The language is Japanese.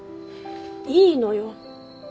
いいのよ。